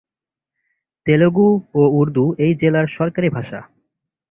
তেলুগু ও উর্দু এই জেলার সরকারি ভাষা।